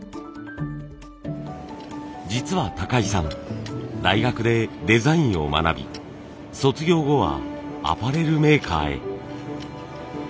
実は井さん大学でデザインを学び卒業後はアパレルメーカーへ。